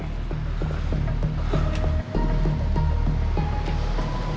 aku mau balik